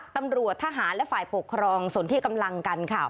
ตำรวจทหารและฝ่ายปกครองส่วนที่กำลังกันค่ะ